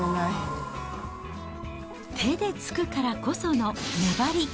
手でつくからこその粘り。